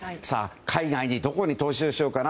海外のどこに投資をしようかな。